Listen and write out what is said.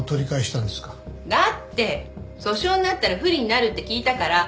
だって訴訟になったら不利になるって聞いたから。